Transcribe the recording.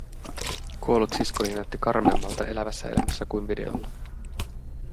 Kuollut siskoni näytti karmeammalta elävässä elämässä kuin videolla.